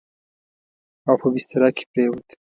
او په بستره کې پرېووت.